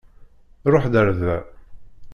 Ṛuḥ-d ar da.